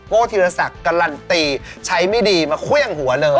ธีรศักดิ์การันตีใช้ไม่ดีมาเครื่องหัวเลย